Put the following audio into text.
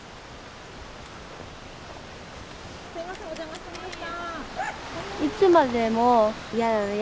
すいませんお邪魔しました。